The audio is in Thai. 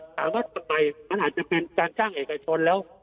ถามว่าทำไมมันอาจจะเป็นการจ้างเอกชนแล้ว